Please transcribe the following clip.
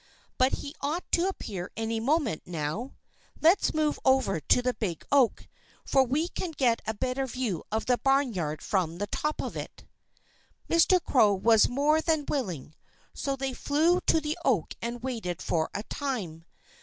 "But he ought to appear any moment now. Let's move over to the big oak, for we can get a better view of the barnyard from the top of it." Mr. Crow was more than willing. So they flew to the oak and waited for a time.